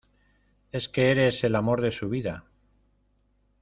es que eres el amor de su vida.